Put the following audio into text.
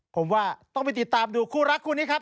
ผมว่าต้องไปติดตามดูคู่รักคู่นี้ครับ